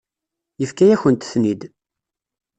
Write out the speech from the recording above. Yefka-yakent-ten-id.